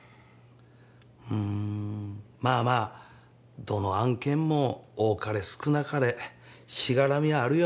うんまあまあどの案件も多かれ少なかれしがらみはあるよ